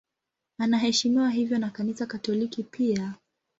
Anaheshimiwa hivyo na Kanisa Katoliki pia.